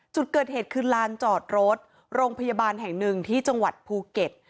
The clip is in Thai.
จุดเกิดเหตุคือลานจอดรถโรงพยาบาลแห่งหนึ่งที่จังหวัดภูเก็ต